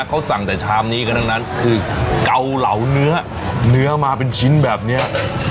เขาสั่งแต่ชามนี้กันทั้งนั้นคือเกาเหลาเนื้อเนื้อมาเป็นชิ้นแบบเนี้ย